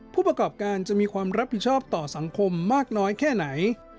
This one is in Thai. ผู้ประกอบการจะมีความรับผิดชอบต่อสังคมมากน้อยแค่ไหน